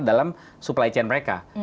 dalam supply chain mereka